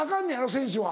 選手は。